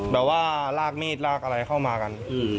ว่าลากมีดลากอะไรเข้ามากัน